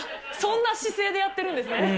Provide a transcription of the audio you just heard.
そんな姿勢でやっているんですね。